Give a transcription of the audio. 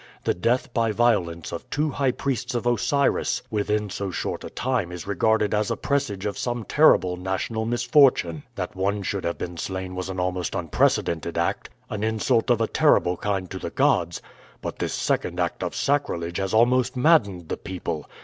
The death by violence of two high priests of Osiris within so short a time is regarded as a presage of some terrible national misfortune. That one should have been slain was an almost unprecedented act an insult of a terrible kind to the gods; but this second act of sacrilege has almost maddened the people.